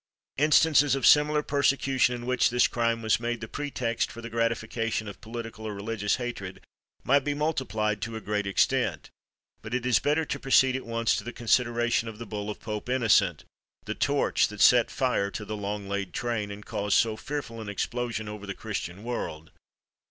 Instances of similar persecution, in which this crime was made the pretext for the gratification of political or religious hatred, might be multiplied to a great extent. But it is better to proceed at once to the consideration of the bull of Pope Innocent, the torch that set fire to the long laid train, and caused so fearful an explosion over the Christian world.